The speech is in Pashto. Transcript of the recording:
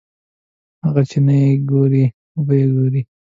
هغه چې نه یې ګورې وبه یې ګورې.